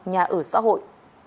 nhà ở xã hội